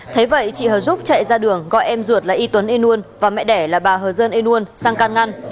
thế vậy chị hờ dúc chạy ra đường gọi em ruột là y tuấn ê nguồn và mẹ đẻ là bà hờ dơn ê nguồn sang can ngăn